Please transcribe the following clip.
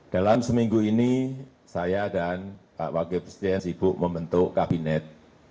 dalam seminggu ini saya dan pak wakil presiden sibuk membentuk kabinet